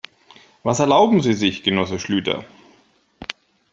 Was erlauben Sie sich, Genosse Schlüter?